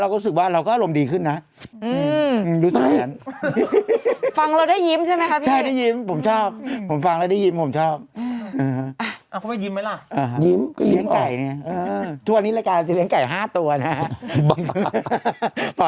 เราไปก้าวไปที่คนเขียนสกริปคือชุดท้องเนี่ยแหละนายกวัล